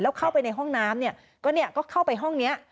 แล้วเข้าไปในห้องน้ำเนี่ยก็เข้าไปห้องนี้